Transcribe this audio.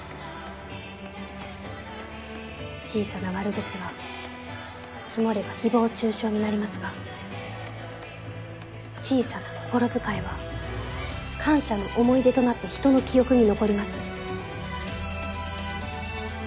小さな悪口は積もれば誹謗中傷になりますが小さな心遣いは感謝の思い出となって人の記憶に残ります。